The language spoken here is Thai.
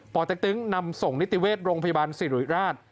เต็กตึงนำส่งนิติเวชโรงพยาบาลสิริราช